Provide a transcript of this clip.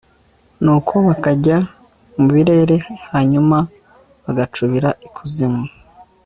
nuko bakajya mu birere, hanyuma bagacubira ikuzimu